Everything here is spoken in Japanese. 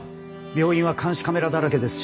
病院は監視カメラだらけですし